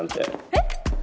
えっ